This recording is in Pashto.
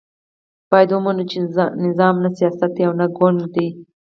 باید ومنو چې نظام نه سیاست دی او نه ګوند دی.